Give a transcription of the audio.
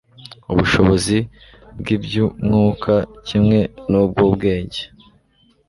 Ubushobozi bwibyumwuka kimwe nubwubwenge